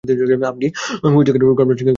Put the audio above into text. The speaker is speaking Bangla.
আপনি হুইটেকার ক্রপ ডাস্টিং কোম্পানিতে কল দিয়েছেন।